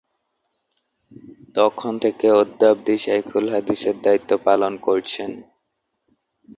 তখন থেকে অদ্যাবধি শায়খুল হাদিসের দায়িত্ব পালন করছেন।